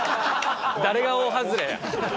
誰が大外れや！